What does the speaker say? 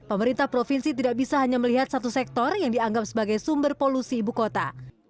pemerintah provinsi tidak bisa hanya melihat satu sektor yang dianggap sebagai sumber polusi ibu kota